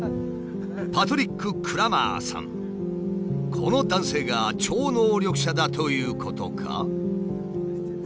この男性が超能力者だということか？